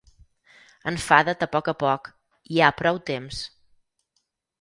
Enfada't a poc a poc; hi ha prou temps.